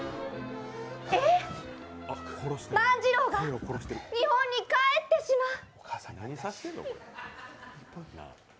えっ、万次郎が日本に帰ってしまう。